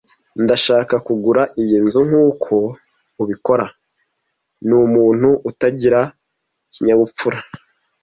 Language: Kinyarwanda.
Ndashaka kugura iyi nzu nkuko ubikora. Ni umuntu utagira ikinyabupfura.